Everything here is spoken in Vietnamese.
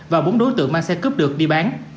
và bốn đối tượng mang xe cướp được đi bán